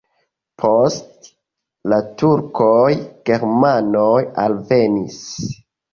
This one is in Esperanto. Post la turkoj germanoj alvenis.